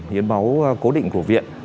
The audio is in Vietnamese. hiên máu cố định của viện